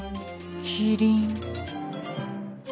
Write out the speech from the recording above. キリン。